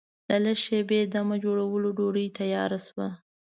له لږ شېبې دمه جوړولو ډوډۍ تیاره شوه.